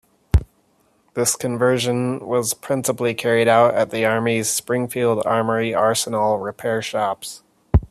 This conversion was principally carried out at the Army's Springfield Armory arsenal repair shops.